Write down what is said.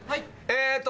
えっと。